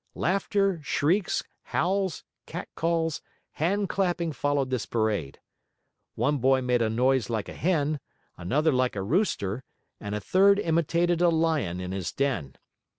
Laughter, shrieks, howls, catcalls, hand clapping followed this parade. One boy made a noise like a hen, another like a rooster, and a third imitated a lion in his den.